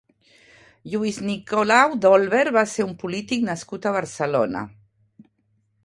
Lluís Nicolau d'Olwer va ser un polític nascut a Barcelona.